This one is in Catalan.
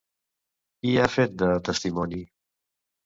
Qui ha fet de testimoni?